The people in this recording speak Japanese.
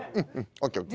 ＯＫＯＫ。